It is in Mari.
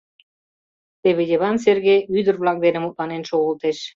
Теве Йыван Сергей ӱдыр-влак дене мутланен шогылтеш.